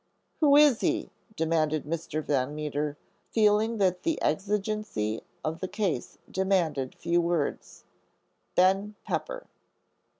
"Who is he?" demanded Mr. Van Meter, feeling that the exigency of the case demanded few words. "Ben Pepper."